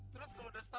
terus kalau udah setah